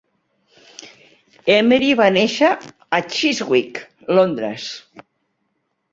Emery va néixer a Chiswick, Londres.